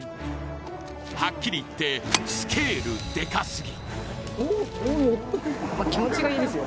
はっきり言ってスケールでかすぎ。